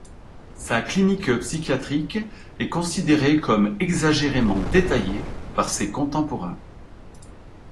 Sa clinique psychiatrique est considérée comme exagérément détaillée par ses contemporains.